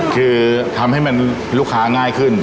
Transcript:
คือทำให้มันลูกค้าง่ายขึ้น